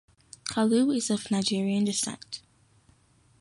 Kalu is of Nigerian descent.